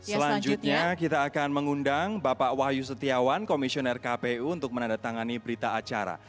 selanjutnya kita akan mengundang bapak wahyu setiawan komisioner kpu untuk menandatangani berita acara